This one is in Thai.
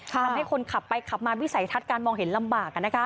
ทำให้คนขับไปขับมาวิสัยทัศน์การมองเห็นลำบาก